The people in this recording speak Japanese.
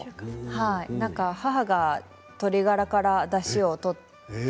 なんか母が鶏ガラからだしを取って。